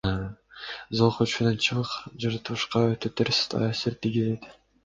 Зоок үчүн аңчылык жаратылышка өтө терс таасир тийгизет.